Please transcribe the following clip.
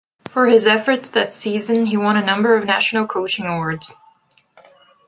For his efforts that season, he won a number of national coaching awards.